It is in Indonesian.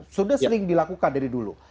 sudah sering dilakukan dari dulu